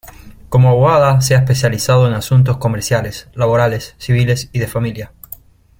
Como abogada se ha especializado en asuntos comerciales, laborales, civiles y de familia.